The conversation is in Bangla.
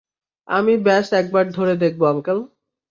আমি ব্যাস একবার ধরে দেখবো, আংকেল।